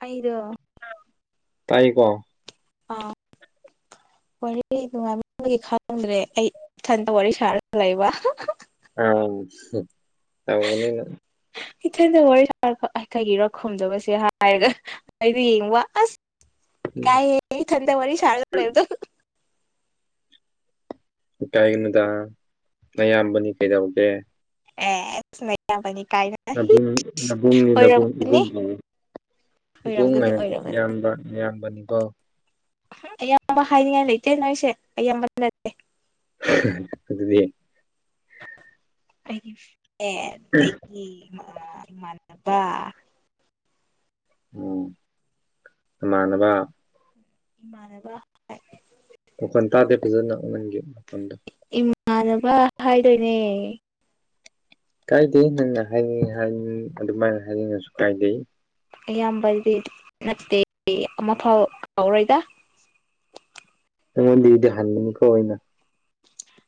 ꯑꯩꯗꯣ ꯇꯥꯏꯌ‌ꯦꯀꯣ ꯑꯥ ꯋꯥꯔꯤ ꯅꯨꯡꯉꯥꯏꯕꯒꯤ ꯈꯪꯗ꯭ꯔꯦ ꯑꯩ ꯏꯊꯟꯇ ꯋꯥꯔꯤ ꯁꯥꯔꯒ ꯂꯩꯕ ꯑꯧ ꯁ‌ꯦꯠ ꯇꯧꯒꯅꯤ ꯅꯪ ꯏꯊꯟꯗ ꯋꯥꯔꯤ ꯁꯥꯔꯒ ꯑꯥꯏ ꯀꯩꯒꯤꯔ ꯈꯨꯝꯗꯕꯁꯦ ꯍꯥꯏꯔꯒ ꯑꯩꯗꯣ ꯌꯦꯡꯕ ꯑꯁ ꯏꯀꯥꯢ ꯌꯦ ꯏꯊꯟꯗ ꯋꯥꯔꯤ ꯁꯥꯔ ꯂꯩꯕꯗꯨ ꯏꯀꯥꯏꯒꯅꯣꯗ ꯅꯌꯥꯝꯕꯅꯤ ꯀꯩꯗꯧꯒꯦ ꯑꯦ ꯅꯌꯥꯝꯕꯅꯤ ꯀꯥꯏꯅ ꯨꯅꯕꯨꯡ ꯅꯕꯨꯡꯅ‌ꯦ ꯅꯕꯨꯡ ꯑꯣꯏꯔꯝꯒꯅꯤ ꯏꯕꯨꯡꯅ‌ꯦ ꯑꯣꯏꯔꯝꯒꯅꯤ ꯏꯕꯨꯡꯅ‌ꯦ ꯑꯣꯏꯔꯝꯒꯅꯤ ꯅꯌꯥꯝꯕ ꯅꯌꯥꯝꯕ ꯅꯤꯀꯣ ꯑꯌꯥꯝꯕ ꯍꯥꯏꯅꯤꯡꯉꯥꯏ ꯂꯩꯇꯦ ꯅꯣꯏꯁꯦ ꯑꯌꯥꯝꯕꯅ ꯅꯠꯇꯦ ꯑꯗꯨꯗꯤ ꯑꯩꯒꯤ ꯐꯔ‌ꯦꯟ ꯅ‌ꯦ ꯑꯩꯒꯤ ꯑꯥ ꯏꯃꯥꯟꯅꯕ ꯑꯣ ꯅꯃꯥꯟꯅꯕ ꯏꯃꯥꯟꯅꯕ ꯃꯈ‌ꯣꯟ ꯇꯥꯗꯦ ꯐꯖꯅ ꯅꯪꯒꯤ ꯃꯈ‌ꯣꯜꯗꯣ ꯏꯃꯥꯟꯅꯕ ꯍꯥꯏꯗꯣꯏꯅꯦ ꯀꯥꯏꯗꯦ ꯅꯪꯅ ꯍꯥꯏꯅꯤꯡꯉ‌ꯦ ꯍꯥꯏꯔꯁꯨ ꯑꯗꯨꯃꯥꯏꯅ ꯍꯥꯏꯅꯤꯡꯉꯁꯨ ꯀꯥꯏꯗꯦ ꯏꯌꯥꯝꯕꯗꯤ ꯅꯠꯇꯦ ꯑꯃꯐꯥꯎ ꯀꯥꯎꯔꯣꯏꯗ ꯅꯪꯉꯣꯟꯗꯩꯗꯤ ꯍꯟꯒꯅꯤꯀꯣ ꯑꯩꯅ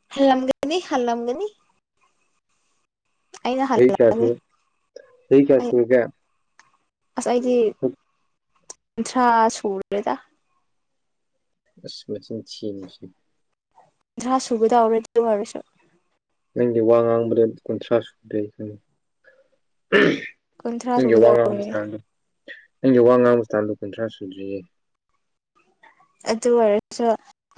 ꯍꯜꯂꯝꯒꯅꯤ ꯍꯜꯂꯝꯒꯅꯤ ꯑꯩꯅ ꯆꯍꯤ ꯀꯌꯥ ꯍꯜꯂꯛꯑꯅꯤ ꯁꯨꯔ‌ꯦ ꯆꯍꯤ ꯀꯌꯥ ꯑꯩ ꯁꯨꯔꯒꯦ ꯑꯁ ꯑꯩꯗꯤ ꯀꯨꯟꯊ꯭ꯔꯥ ꯁꯨꯔꯦꯗ ꯑꯁ ꯃꯆꯤꯟ ꯊꯤꯌ‌ꯦꯅꯦ ꯃꯁꯤ ꯀꯨꯟꯊꯔꯥ ꯁꯨꯒꯗꯧꯔꯦ ꯑꯗꯨ ꯑꯣꯏꯔꯁꯨ ꯅꯪꯗꯤ ꯋꯥ ꯉꯥꯡꯕꯗ ꯀꯨꯟꯊ꯭ꯔꯥ ꯁꯨꯗꯦ ꯑꯩ ꯈꯪꯉꯦ ꯀꯨꯟꯊ꯭ꯔꯥ ꯅꯪꯒꯤ ꯋꯥ ꯉꯥꯡꯕꯩ ꯁꯨꯒꯗꯧꯔꯦ ꯏꯁꯇꯥꯜꯗꯣ ꯅꯪꯒꯤ ꯋꯥ ꯉꯥꯡꯕꯩ ꯏꯁꯇꯥꯜꯗꯣ ꯀꯨꯟꯊ꯭ꯔꯥ ꯁꯨꯗ꯭ꯔꯤꯌꯦ ꯑꯗꯨ ꯑꯣꯏꯔꯁꯨ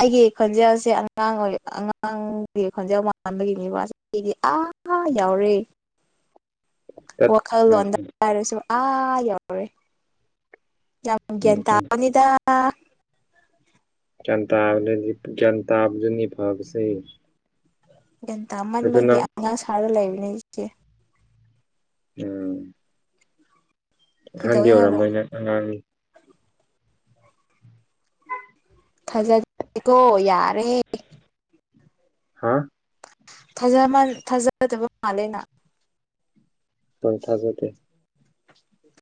ꯑꯩꯒꯤ ꯈꯣꯟꯖꯦꯜꯁꯦ ꯑꯉꯥꯡ ꯑꯣꯏ ꯑꯉꯥꯡꯒꯤ ꯈꯣꯟꯖꯦꯜ ꯃꯥꯟꯕꯒꯤꯅꯤꯕ ꯆꯥꯍꯤꯗꯤ ꯑꯥꯥ ꯌꯧꯔꯦ ꯇꯠ ꯎꯝ ꯋꯥꯈꯜꯂꯣꯟꯗ ꯎꯝ ꯍꯥꯏꯔꯁꯨ ꯑꯥ ꯌꯥꯎꯔꯦ ꯒꯌ꯭ꯥꯟ ꯎꯝ ꯎꯝ ꯇꯥꯕꯅꯤꯗ ꯒꯌ꯭ꯥꯟ ꯇꯥꯕꯗꯨꯅꯤ ꯒꯌ꯭ꯥꯟ ꯇꯥꯕꯗꯨꯅꯤ ꯐꯕꯁꯦ ꯒꯌꯥꯟ ꯑꯗꯨ ꯇꯥꯃꯟꯕꯒꯤ ꯅꯪ ꯑꯉꯥꯡ ꯁꯥꯔꯒ ꯂꯩꯕꯅꯦ ꯑꯩꯁꯦ ꯎꯝ ꯑꯍꯟꯗꯤ ꯀꯩꯗꯧꯋꯦ ꯍꯥꯏꯕꯣ ꯑꯣꯏꯔꯝꯃꯣꯏ ꯅꯪ ꯑꯉꯥꯡꯅꯤ ꯊꯥꯖꯗꯦꯀꯣ ꯌꯥꯔꯦ ꯍꯥ ꯊꯥꯖ ꯃꯟ ꯊꯥꯖꯗꯕ ꯃꯥꯜꯂꯦ ꯅꯪ ꯁꯨꯡ ꯊꯥ ꯊꯥꯖꯗꯦ ꯆꯥꯏꯗꯦ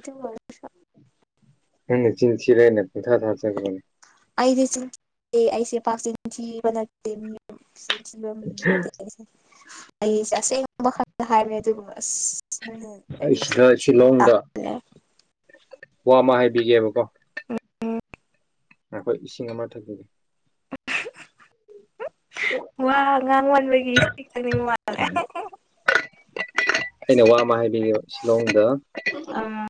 ꯄꯥꯔꯐ꯭ꯌꯨꯝꯒ ꯅꯪꯅ ꯆꯤꯟꯊꯤꯔ ꯑꯩꯅ ꯄꯨꯡ ꯊꯥ ꯊꯥꯖꯒꯗꯔꯣ ꯑꯩꯁꯦ ꯆꯤꯟ ꯑꯩꯁꯦ ꯄꯥꯛ ꯆꯤꯟ ꯊꯤꯕ ꯅꯠꯇꯦ ꯃꯤꯕ ꯃꯤ ꯅꯠꯇꯦ ꯑꯩꯁꯦ ꯑꯁꯦꯡꯕ ꯈꯛꯇ ꯍꯥꯏꯕꯅꯦ ꯑꯗꯨꯕꯨ ꯑꯁ ꯎꯝ ꯑꯩ ꯑꯩꯕꯨ ꯆꯤꯟ ꯁꯤꯗ ꯊꯤꯕ ꯁꯤꯂꯣꯡꯗ ꯇꯥꯍꯜꯂꯦ ꯋꯥ ꯑꯃ ꯍꯥꯏꯕꯤꯒꯦꯕꯀꯣ ꯉꯥꯏꯈꯣ ꯏꯁꯤꯡ ꯑꯃ ꯊꯛꯈꯤꯒꯦ ꯋꯥ ꯑ ꯉꯥꯡ ꯋꯥꯟꯕꯒꯤ ꯁꯤ ꯈꯪꯅꯤꯡꯕ ꯃꯥꯜꯂꯦ ꯑꯩꯅ ꯋꯥ ꯑꯃ ꯍꯥꯏꯕꯤꯉ ꯁꯤꯂꯣꯡꯗ ꯑ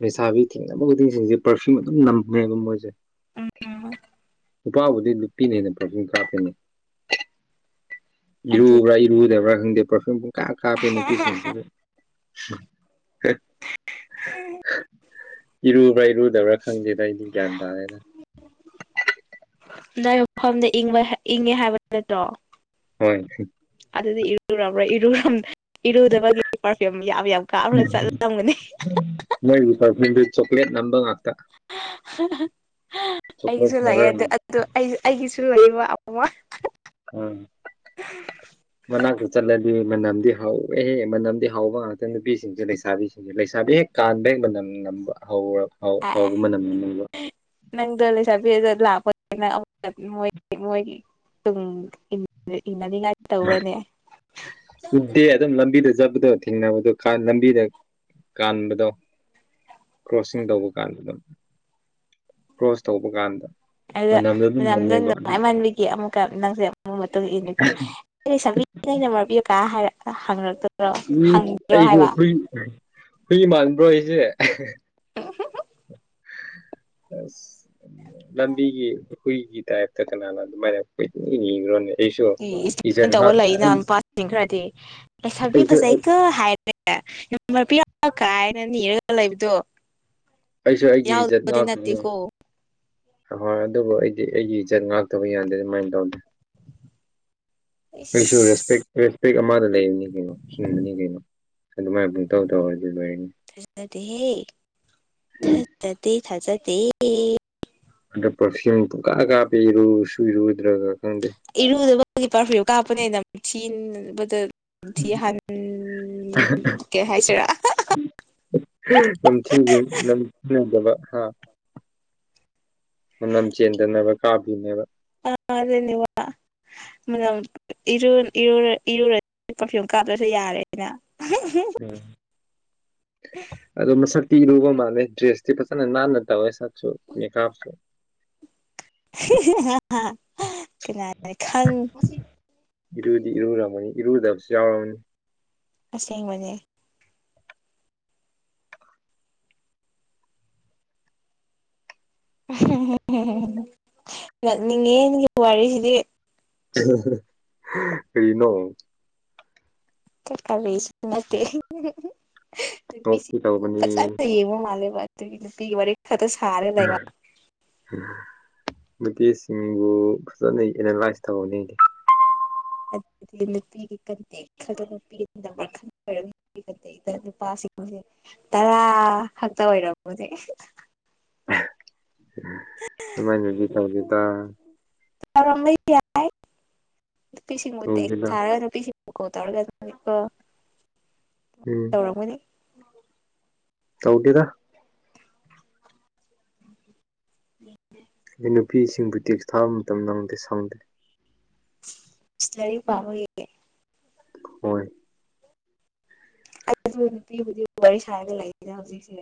ꯂꯩꯁꯥꯕꯤ ꯊꯦꯡꯅꯕ ꯈꯨꯗꯤꯡꯁꯤꯡꯁꯦ ꯄꯥꯔꯐ꯭ꯌꯨꯝ ꯑꯗꯨꯝ ꯅꯝꯃꯦꯕ ꯃꯣꯏꯁꯦ ꯎꯝ ꯅꯨꯄꯥꯕꯨꯗꯤ ꯅꯨꯄꯤꯅ ꯍꯦꯟꯅ ꯄ꯭ꯔꯣꯁꯨꯝ ꯀꯥꯞꯄꯅꯤ ꯑꯗꯨ ꯏꯔꯨꯕ꯭ꯔꯥ ꯏꯔꯨꯗꯕ꯭ꯔꯥ ꯈꯪꯗꯦ ꯄꯔꯐ꯭ꯌꯨꯝ ꯄꯨꯡ ꯀꯥꯞ ꯀꯥꯞꯄꯦ ꯅꯨꯄꯤꯁꯤꯡ ꯍ ꯏꯔꯨꯕ꯭ꯔꯥ ꯏꯔꯨꯗꯕ꯭ꯔꯥ ꯈꯪꯗꯦꯗ ꯑꯩꯗꯤ ꯒ꯭ꯌꯥꯟ ꯇꯥꯔꯦꯅ ꯅ ꯃꯐꯝꯗ ꯏꯪꯕ ꯏꯪꯉꯦ ꯍꯥꯏꯕ ꯅꯠꯇ꯭ꯔꯣ ꯍꯣꯏ ꯑꯗꯨꯗꯤ ꯏꯔꯨꯔꯣꯏ ꯏꯔ ꯏꯔꯨꯗꯕꯒꯤ ꯄꯥꯔꯐ꯭ꯌꯨꯝ ꯌꯥꯝ ꯌꯥꯝ ꯀꯥꯞꯅ ꯆꯠꯂꯝꯒꯅꯤ ꯃꯣꯏ ꯄꯥꯔꯐ꯭ꯌꯨꯝꯗꯤ ꯆꯣꯀꯂꯦꯠ ꯅꯝꯕ ꯉꯥꯛꯇ ꯆꯣꯀ꯭ꯂꯦꯠ ꯑꯩꯁꯨ ꯂꯩꯑꯦ ꯐ꯭ꯂꯦꯕꯔꯅ ꯑꯗꯨ ꯑꯗꯣ ꯑꯩ ꯑꯩꯒꯤꯁꯨ ꯂꯩꯕ ꯎꯝ ꯃꯅꯥꯛꯇ ꯆꯠꯂꯗꯤ ꯃꯅꯝꯗꯤ ꯍꯥꯎꯋꯦꯍꯦ ꯃꯅꯝꯗꯤ ꯍꯥꯎꯕ ꯉꯥꯛꯇ ꯅꯨꯄꯤꯁꯤꯡꯁꯦ ꯂꯩꯁꯥꯕꯤꯁꯤꯡ ꯂꯩꯁꯥꯕꯤ ꯍꯦꯛ ꯀꯥꯟꯕ ꯍꯦꯛ ꯃꯅꯝ ꯅꯝꯕ ꯍꯧꯔ ꯍꯧꯕ ꯃꯅꯝ ꯅꯝꯕ ꯅꯪꯗ ꯂꯩꯁꯥꯕꯤꯗ ꯂꯥꯛꯄ ꯃꯣꯏꯒꯤ ꯇꯨꯡꯗ ꯏꯟ ꯑꯗꯨ ꯏꯅꯅꯤꯡꯉꯥꯏ ꯇꯧꯔꯅꯦ ꯎꯗꯦ ꯑꯗꯨꯝ ꯂꯝꯕꯤꯗ ꯆꯠꯄꯗꯣ ꯊꯦꯡꯅꯕꯗꯣ ꯂꯝꯕꯤꯗ ꯀꯥꯟꯕꯗꯣ ꯀ꯭ꯔꯣꯁꯤꯡ ꯇꯧꯕ ꯀꯥꯟꯗ ꯑꯗꯨꯝ ꯀ꯭ꯔꯣꯁ ꯇꯧꯕ ꯀꯥꯟꯗ ꯑꯗ ꯃꯅꯝꯗꯣ ꯑꯗꯨꯝ ꯃꯗ ꯅꯝꯃꯦꯕ ꯑꯗꯨ ꯅꯨꯡꯉꯥꯏꯃꯟꯕꯤꯒꯦ ꯑꯃꯨꯛꯀ ꯅꯪꯁꯦ ꯑꯃꯨ ꯃꯇꯨꯡ ꯏꯅꯤꯗ ꯑꯩ ꯁꯛꯕꯤ ꯅꯩꯅ ꯃꯔꯕꯤꯌꯨ ꯀꯥ ꯍꯥꯏꯔ ꯍꯪꯛꯇ ꯑꯩꯁꯨ ꯍꯏ ꯍꯨꯏ ꯃꯥꯟꯕ꯭ꯔꯣ ꯑꯩꯁꯦ ꯑꯁ ꯂꯝꯕꯤꯒꯤ ꯍꯨꯏꯒꯤ ꯇꯥꯏꯞꯇ ꯀꯅꯥꯅ ꯑꯗꯨꯃꯥꯏꯅ ꯀꯨ ꯏ ꯏꯈ꯭ꯔꯣꯅꯦ ꯑꯦ ꯏꯁ ꯇꯧꯕ ꯂꯩꯅ ꯅꯨꯄꯥꯁꯤꯡ ꯈꯔꯗꯤ ꯂꯩꯁꯥꯕꯤ ꯑꯩꯁꯨ ꯐꯖꯩꯒ ꯍꯥꯏꯔ ꯄꯤ ꯀꯥꯏꯅ ꯅꯤꯔꯒ ꯂꯩꯕꯗꯣ ꯑꯩꯁꯨ ꯑꯩꯒꯤ ꯌꯥꯎꯗꯗꯤꯤꯟꯠꯇꯤ ꯀꯣ ꯑꯍꯣꯏ ꯑꯗꯨꯕꯨ ꯑꯩꯗꯤ ꯑꯩꯒꯤ ꯏꯆꯠ ꯉꯥꯛꯇꯕ ꯌꯥꯗꯦ ꯑꯗꯨꯃꯥꯏꯅ ꯇꯧꯗꯦ ꯁꯁ ꯏꯁ ꯦꯁꯄꯤ ꯑꯃ ꯂꯩꯅꯤ ꯀꯩꯅꯣ ꯁꯤꯤꯡꯅꯤ ꯀꯩꯅꯣ ꯥꯏ ꯨ ꯇꯧ ꯊꯧ ꯍꯧꯔꯖꯤ ꯗꯤꯇꯩ ꯊꯥ ꯆ ꯊ ꯑꯗ ꯄꯥꯔꯐ꯭ꯌꯨꯝ ꯄꯨꯨꯡꯀꯥ ꯀꯥꯞ ꯄꯤꯔꯨ ꯁꯨꯏꯔꯨꯗ꯭ꯔꯒ ꯈꯪꯗꯦ ꯏꯔꯨꯗꯕꯒꯤ ꯄꯥꯔꯐ꯭ꯌꯨ ꯀꯥꯞꯄꯅꯦꯅ ꯊꯤꯕꯗ ꯊꯤ ꯍꯥꯟ ꯀꯩ ꯍꯥꯏꯁꯤꯔ ꯊꯊꯗꯕ ꯍꯥ ꯃꯅꯝ ꯆꯦꯟꯗꯅꯕ ꯀꯥꯕꯤꯅꯦꯕ ꯑ ꯑꯗꯨꯗꯦꯅꯤ ꯋꯥ ꯏꯔꯨꯔ ꯄꯔꯐꯤꯌꯨꯝ ꯀꯥꯞꯂꯁꯨ ꯌꯥꯔꯦꯅ [inaudible] ꯎꯝ ꯎꯝ ꯑꯗꯨꯗꯣ ꯃꯁꯤꯔꯕ ꯃꯥꯅꯦ ꯗ꯭ꯔꯦꯁ ꯄ ꯅꯥ ꯅ ꯇꯧ ꯃ ꯀꯅꯥ ꯈꯪ ꯏꯔꯨꯗꯤ ꯏꯔꯨꯝꯃꯅꯤ ꯏꯔꯨꯗꯕꯁꯨ ꯌꯥꯎꯔꯝꯔꯕꯅꯤ ꯑꯁꯦꯡꯕꯅꯦ ꯅꯛꯅꯤꯡꯉꯦꯒꯤ ꯋꯥꯔꯤꯁꯤꯗꯤ ꯑꯩꯅꯣ ꯈꯁꯤ ꯅꯣꯛꯄꯤ ꯇꯧꯕꯅꯤ ꯐꯁ ꯍꯥꯏꯕ ꯃꯥꯂꯦꯕ ꯑꯗꯨ ꯒꯃꯔꯤ ꯈꯌꯥꯗꯣ ꯁꯔ ꯂꯩꯕ ꯅꯨꯄꯤꯦꯁꯤꯡꯕꯨ ꯐꯖꯅ ꯑꯦꯅꯥꯂꯥꯏꯁ ꯇꯧꯍꯅꯤꯡꯗꯤ ꯑꯗ ꯂꯄꯤꯤꯒꯤ ꯀꯠꯇꯦ ꯈ ꯅꯨ ꯅꯨꯄꯥꯁꯤꯡꯁꯦ ꯇꯔꯥ ꯈꯛꯇ ꯑꯣꯏꯔꯝꯃꯅꯦꯦ ꯏꯃꯥꯏꯅ ꯇꯗ ꯌꯥꯄꯤ ꯇꯧꯗꯦꯗ ꯁꯤꯉꯦꯔꯒꯄꯤ ꯇꯒ ꯎꯝ ꯇꯧꯔꯝꯒꯅꯤ ꯇꯧꯗꯤꯤꯗ ꯎꯝ ꯑꯗꯩ ꯅꯨꯄꯤꯁꯤꯡꯕꯨ ꯇꯦꯛꯁ ꯊꯥꯕ ꯃꯇꯝꯗ ꯑꯃꯪꯛꯇ ꯁꯪꯗ꯭ꯔꯦ ꯂꯥꯏꯔꯤꯛ ꯄꯥꯕꯒꯤꯦ ꯍꯣꯏ ꯑꯩ ꯅꯨꯄꯤ ꯍꯧꯖꯤꯛ ꯋꯥꯔꯤ ꯁꯥꯔꯒ ꯂꯩꯔꯤꯗ ꯍꯧꯖꯤꯛꯁꯦ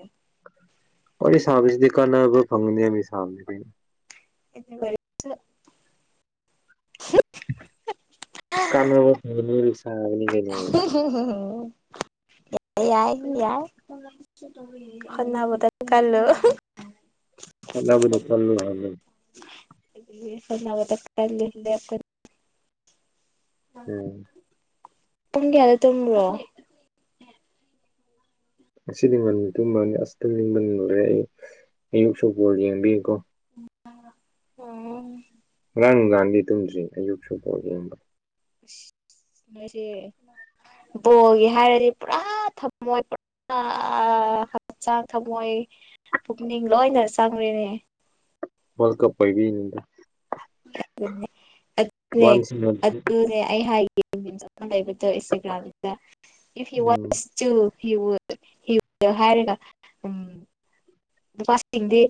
ꯋꯥꯔꯤ ꯁꯥꯕꯁꯤꯗꯤ ꯀꯥꯟꯅꯕ ꯐꯪꯅꯤꯕ ꯁꯥꯕ ꯀ [unintelligible] ꯀꯥꯟꯕ ꯊꯁ ꯌꯥꯏ ꯍ ꯌꯥꯏ ꯍꯣꯅꯕꯗ ꯀꯜꯂꯣ ꯐꯜꯂꯕ ꯆꯜꯂ ꯍꯜꯂ ꯐꯔꯅꯥꯕ ꯇ ꯈꯦ ꯎꯝ ꯄꯨꯡ ꯀꯌꯥꯗ ꯇꯣꯡ꯭ꯔꯣ ꯉꯗꯤ ꯃ ꯑꯗꯨ ꯃꯥꯜꯅꯤ ꯑꯁꯇ ꯅꯤꯡꯤꯡꯕ ꯂꯨꯔꯦ ꯑꯩꯌ ꯑꯌꯨꯛ ꯁꯄ ꯌꯦꯡꯕꯤꯨꯀꯣ ꯉꯔꯥꯡ ꯅꯨꯡ ꯂꯥꯟꯗꯤ ꯇꯨꯝꯗ꯭ꯔꯤ ꯑꯌꯨꯛ ꯁꯨꯕꯥꯎ ꯌꯦꯡꯕ ꯑ ꯑꯩꯁꯦ ꯕꯣꯜꯒꯤ ꯍꯥꯏꯔꯗꯤ ꯄꯨꯔꯥ ꯊꯝꯃꯣꯏ ꯍꯛꯆꯥꯡ ꯊꯝꯃꯣꯏ ꯄꯨꯛꯅꯤꯡ ꯂꯣꯏꯅ ꯆꯪꯔꯤꯅꯦ ꯔꯜ ꯀꯞ ꯑꯣꯏꯕꯤꯅꯤ ꯅꯦ ꯋꯥꯟꯁ ꯎꯝ ꯑꯗꯨꯅꯦ ꯑꯩ ꯍꯥꯏꯦ ꯕꯨꯠꯇ ꯏꯁꯇꯒ꯭ꯔꯝꯗ ꯏꯐ ꯌꯨ ꯋꯥꯁ ꯍ ꯍ ꯍꯔꯒ ꯎꯝ ꯄꯥꯁꯤꯡꯗꯤ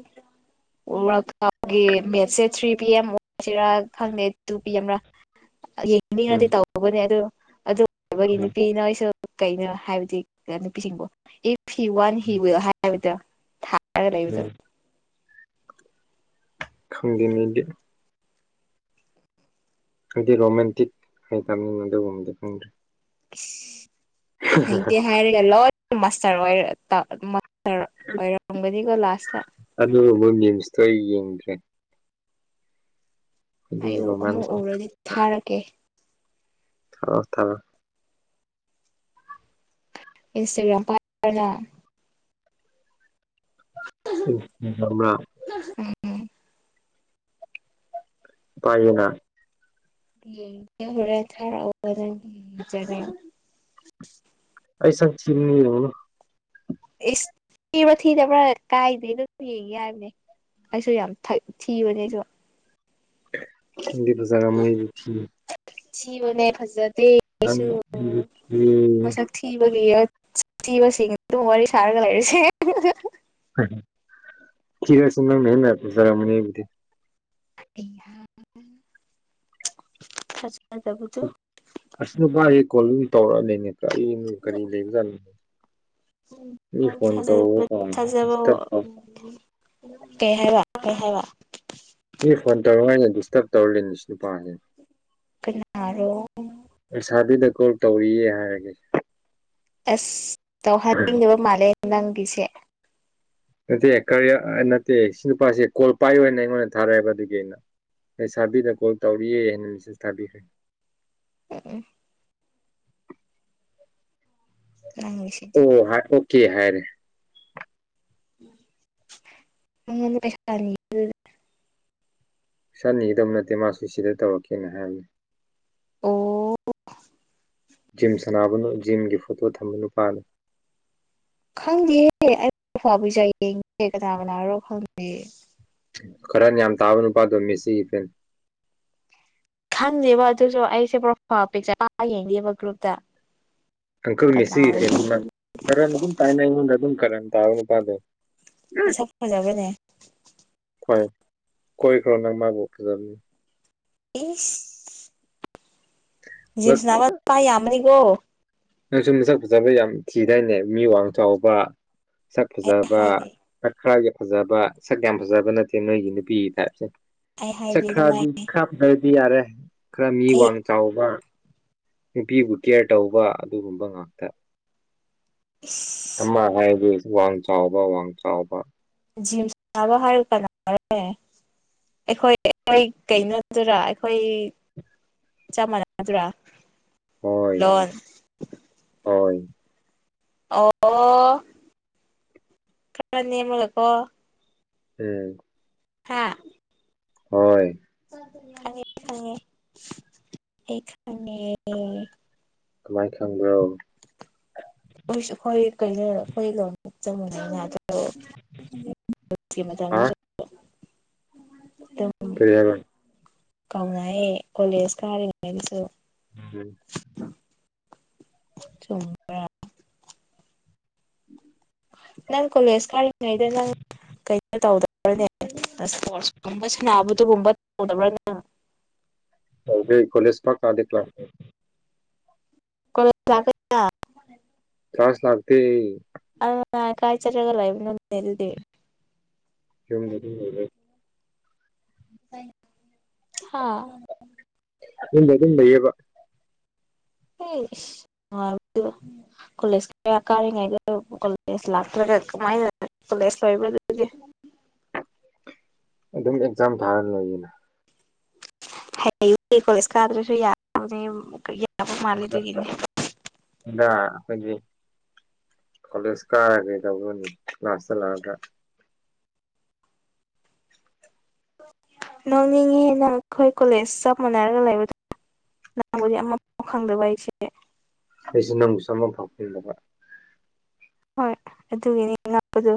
ꯔꯥꯛꯒꯤ ꯃꯦꯠꯁꯦ ꯊ꯭ꯔꯤ ꯄꯤ ꯑꯦꯝ ꯑꯣꯏꯁꯤꯔ ꯈꯪꯗꯦ ꯇꯨ ꯄꯤ ꯑꯦꯝꯔ ꯌꯦꯡꯅꯤꯡꯉꯗꯤ ꯎꯝ ꯇꯧꯧꯕꯅꯦ ꯑꯗꯨ ꯑꯗꯨ ꯑꯣꯏꯕꯒꯤ ꯅꯨꯄꯤꯅ ꯑꯩꯣꯏꯁꯨ ꯀꯩꯅꯣ ꯍꯥꯏꯕꯗꯤ ꯅꯨꯄꯤꯁꯤꯡꯕꯨꯣ ꯏꯐ ꯍꯤ ꯋꯥꯟ ꯍꯤ ꯋꯤꯜ ꯍꯥꯏ ꯍꯥꯏꯕꯗ ꯇ ꯂꯩꯖ ꯎꯝ ꯈꯪꯗꯦꯅꯤꯩꯗꯤ ꯍꯥꯏꯗꯤ ꯔꯣꯃꯦꯟꯇꯤꯛ ꯍꯥꯏꯇꯥꯔꯅꯤꯅ ꯑꯗꯨꯒꯨꯝꯕꯗꯤ ꯈꯪꯗ꯭ꯔꯦ ꯍꯩꯇꯦ ꯍꯥꯏꯔꯦ ꯂꯣꯏꯁꯇꯔ ꯑꯣꯏꯔ ꯑꯣꯏꯔꯝꯒꯅꯤꯀꯣ ꯂꯥꯁꯇ ꯑꯗꯨꯒꯨꯝꯕ ꯃꯤꯝꯁꯇꯣ ꯑꯩ ꯌꯦꯡꯗ꯭ꯔꯦ ꯑꯩꯗꯤ ꯑꯩꯨ ꯑꯃꯨꯛ ꯔꯣꯃꯥꯟꯁ ꯎꯔꯗꯤ ꯊꯥꯔꯛꯀꯦ ꯊꯥꯔꯣ ꯊꯥꯔꯣ ꯏꯟꯁꯇꯥꯒ꯭ꯔꯥꯝ ꯄꯥꯏꯔꯅ [unintelligible] ꯎꯝ ꯄꯥꯏꯗꯅ ꯎꯝ [unintelligible] ꯑꯩ ꯁꯛ ꯊꯤꯕꯅꯤ ꯌꯦꯡꯉꯨꯅꯨ ꯏꯁ ꯊꯤꯕ꯭ꯔꯥ ꯊꯤꯗꯕ꯭ꯔꯥ ꯀꯥꯏꯗꯦꯅꯝ ꯌꯦꯡꯒꯦ ꯌꯥ ꯍꯥꯏꯕꯅꯦ ꯑꯩꯁꯨ ꯌꯥꯝ ꯊꯛ ꯊꯤꯕꯅꯦ ꯑꯩꯁꯨ [unintelligible] ꯊꯤꯕꯅꯦ ꯐꯖꯗꯦ ꯑꯩꯁꯨ [inaudible] ꯃꯁꯛ ꯊꯤꯕꯒꯤ ꯊꯤꯕꯁꯤꯡ ꯑꯗꯨꯝ ꯋꯥꯔꯤ ꯁꯥꯔꯒ ꯂꯩꯔꯁꯦ ꯊꯤꯔꯁꯨ [unintelligible] ꯊꯥꯖꯗꯕꯗꯣ ꯑꯁ ꯅꯨꯄꯥꯒꯤ ꯀꯣꯜ ꯇꯧꯔꯛꯑ ꯂꯩ ꯅꯠꯇ꯭ꯔꯥ ꯀꯔꯤ ꯂꯩꯕꯖꯥꯠꯅ ꯎꯝ ꯊꯥꯖꯕ ꯋꯥ ꯗꯤꯁꯇꯔꯕ ꯇꯧ ꯑꯝ ꯀꯩ ꯍꯥꯏꯕ ꯀꯩ ꯍꯥꯏꯕ ꯃꯤ ꯐꯣꯟ ꯇꯧꯔꯉꯥꯏꯩꯅ ꯗꯤꯁꯇꯔꯕ ꯇꯧꯔꯔꯤꯅꯤ ꯅꯨꯄꯥꯁꯦ ꯀꯅꯥꯔꯣ ꯂꯩꯁꯥꯕꯤꯗ ꯀꯣꯜ ꯇꯧꯔꯤꯌꯦ ꯍꯥꯏꯔꯒꯦ ꯑꯁ ꯇꯧꯍꯟꯅꯤꯡꯉꯕ ꯃꯥꯜꯂꯦ ꯅꯪꯒꯤꯁꯦ ꯅꯠꯇꯦ ꯀꯔꯤ ꯅꯠꯇꯦ ꯁꯤ ꯅꯨꯄꯥꯁꯦ ꯀꯣꯜ ꯄꯥꯏ ꯑꯣꯏꯅ ꯑꯩꯉꯣꯟꯗ ꯊꯥꯔꯛꯑꯦꯕ ꯑꯗꯨꯒꯤ ꯑꯩꯅ ꯂꯩꯁꯥꯕꯤꯗ ꯀꯣꯜ ꯇꯧꯔꯤꯌꯦ ꯍꯥꯏꯅ ꯃꯦꯁꯦꯁ ꯊꯥꯕꯤꯈ꯭ꯔꯦ ꯎꯝ ꯅꯪꯒꯤꯁꯤꯗꯤ ꯑꯣ ꯑꯣꯀꯦ ꯍꯥꯏꯔꯦ [unintelligible] ꯁꯠꯅꯤꯡꯈꯤꯗꯕ ꯅꯠꯇꯦ ꯃꯥꯁꯨ ꯁꯤꯗ ꯇꯧꯔꯛꯀꯦꯅ ꯍꯥꯏꯔꯝꯃꯤ ꯑꯣ ꯖꯤꯝ ꯁꯥꯟꯅꯕꯅꯨ ꯖꯤꯝꯒꯤ ꯐꯣꯇꯣ ꯊꯝꯕꯅꯨꯄꯥꯥꯅ ꯈꯪꯗꯦꯍꯦ ꯑꯩꯕꯖꯥ ꯌꯦꯡꯒꯦ ꯀꯅꯥ ꯀꯅꯥꯔꯣ ꯈꯪꯗꯦ ꯈꯔ ꯌꯥꯝ ꯇꯥꯕ ꯅꯨꯄꯥꯗꯣ ꯃꯤꯁꯤꯒꯤ ꯐꯤꯟ ꯈꯟꯗꯦꯕ ꯑꯗꯨꯁꯨ ꯑꯩꯁꯦ ꯄ꯭ꯔ ꯄꯤ ꯌꯦꯡꯗꯦꯕ ꯒ꯭ꯔꯨꯞꯇ ꯑꯪꯀꯜ ꯃꯤꯦꯁꯤꯒꯤ ꯀꯅꯥꯔꯣ ꯐꯤ ꯈꯔ ꯑꯗꯨꯝ ꯄꯥꯏꯅ ꯑꯩꯉꯣꯟꯗ ꯑꯗꯨꯝ ꯈꯔ ꯇꯥ ꯅꯨꯄꯥꯗꯣ ꯃꯁ ꯐ ꯐꯖꯕ꯭ꯔꯅꯦ ꯍꯣꯏ ꯀꯣꯏꯈ꯭ꯔꯣ ꯅꯪ ꯃꯥꯕꯨ ꯐꯖꯅ ꯏꯁ ꯖꯤꯝ ꯁꯥꯟꯅꯕ ꯅꯨꯄꯥ ꯌꯥꯝꯕꯅꯤꯀꯣ ꯅꯪꯁꯨ ꯃꯁꯛ ꯐꯖꯕ ꯌꯥꯝ ꯊꯤꯗꯥꯏꯅꯦ ꯃꯤ ꯋꯥꯡ ꯆꯥꯎꯕ ꯃꯁꯛ ꯑꯩ ꯐꯖꯕ ꯍꯥꯏꯗꯦ ꯈ ꯈꯔꯒꯤ ꯐꯖꯕ ꯁꯛ ꯌꯥꯝ ꯐꯖꯕ ꯅꯠꯇꯦ ꯅꯣꯏꯒꯤ ꯅꯨꯄꯤ ꯇꯥꯏꯞꯁꯦ ꯑꯩ ꯁ ꯍꯥꯏꯗꯦ ꯑꯗꯨꯃꯥꯏ ꯈꯔꯗꯤ ꯈꯔꯗꯤ ꯌꯥꯔꯦ ꯈꯔ ꯃꯤ ꯑꯩ ꯋꯥꯡ ꯆꯥꯎꯕ ꯅꯨꯄꯤꯕꯨ ꯀꯦꯌꯔ ꯇꯧꯕ ꯑꯗꯨꯒꯨꯝꯕ ꯉꯥꯛꯇ ꯏꯁ ꯑꯃ ꯍꯥꯏꯔꯁꯨ ꯋꯥꯡ ꯆꯥꯎꯕ ꯋꯥꯡ ꯆꯥꯎꯕ [unintelligible] ꯑꯩꯈꯣꯏ ꯑꯩꯈꯣꯏ ꯀꯩꯅꯣꯗꯨꯔ ꯑꯩꯈꯣꯏ ꯆꯞ ꯃꯥꯟꯅꯗ꯭ꯔꯥ ꯍꯣꯏ ꯍꯣꯏ ꯑꯣ ꯈꯔ ꯅꯦꯝꯔꯒꯀꫭ ꯎꯝ ꯍꯥ ꯍꯣꯏ ꯈꯉꯦ ꯈꯉꯦ ꯑꯩ ꯈꯉꯦ ꯀꯃꯥꯏꯅ ꯈꯪꯕ꯭ꯔꯣ ꯃꫭꯏꯁꯨ ꯍꯈꯣꯏ ꯀꯩꯅꯣ ꯑꯩꯈꯣꯏ ꯂꫭꯟ ꯆꯞ ꯃꯥꯟꯅꯩꯅ ꯑꯗꯨ ꯍꯥ [unintelligible] ꯀꯔꯤ ꯍꯥꯏꯕ ꯀꯥꯎꯅꯩꯑꯦ ꯀꯣꯂꯦꯖ ꯀꯥꯔꯤꯉꯩꯒꯤꯁꯨ [unintelligible] ꯆꯨꯝꯕ꯭ꯔ [inaudible] ꯅꯪ ꯀꯣꯂꯦꯖ ꯀꯥꯔꯤꯉꯩꯗ ꯅꯪ [unintelligible] ꯇꯧꯗꯕ꯭ꯔꯅꯦ ꯏꯁ꯭ꯄꫭꫪꯁ ꯀꯨꯝꯕ ꯁꯥꯟꯅꯕ ꯑꯗꯨꯒꯨꯝꯕ ꯇꯧꯗꯕ꯭꯭ꯔꯅ ꯇꯧꯗꯦ ꯑꯩ ꯀꫭꯂꯦꯖ ꯄꯥꯛ ꯀꯥꯗꯦ [unintelligible] [unintelligible] [unintelligible] ꯂꯥꯛꯇꯦ [unintelligible] ꯀꯥꯏ ꯆꯠꯔꯒ ꯂꯩꯕꯅꯥꯅꯦ ꯑꯗꯨꯗꯤ ꯌꯨꯝ ꯑꯗꯨꯝ [unintelligible] ꯍꯥꯥ ꯌꯨꯝꯗ ꯑꯗꯨꯨꯝ ꯂꯩꯌꯦꯕ [unintelligible] ꯀꯣꯂꯦꯖ ꯀꯌꯥ ꯀꯥꯔꯤꯉꯩꯗ ꯀꯣꯂꯦꯖ ꯂꯥꯛꯇ꯭ꯔꯒ ꯀꯃꯥꯏꯅ ꯀꯣꯂꯦꯖ ꯂꫭꯏꯕ‌꯭ꯔ ꯗꯨꯗꯤ ꯑꯗꯨꯝ ꯑꯦꯛꯖꯥꯝ ꯊꯥꯔ ꯂꯣꯏꯌꯦꯅ [unintelligible] ꯌꯥꯕ ꯃꯥꯜꯂꯦ ꯑꯗꯨꯒꯤꯅꯦ [unintelligible] ꯀꯣꯂꯦꯖ ꯀꯥꯔꯒꯩ ꯇꯧꯔꯅꯤ ꯀ꯭ꯂꯥꯁꯇ ꯂꯥꯛꯑꯒ ꯅꯣꯡꯅꯤꯡꯉꯤꯍꯦ ꯅꯪ ꯑꯩꯈꯣꯏ ꯀꯣꯂꯦꯖ ꯆꯞ ꯃꯥꯟꯅꯔꯒ ꯂꯩꯕꯗ [unintelligible] ꯈꯪꯗꯕ ꯑꯩꯁꯦ ꯑꯩꯁꯦ ꯅꯪꯁꯨ ꯁꯝꯕꯜ ꯈꯥꯆꯤꯜꯂꯒ ꯍꯣꯏ ꯑꯗꯨꯒꯤꯅꯤ ꯉꯛꯄꯗꯣ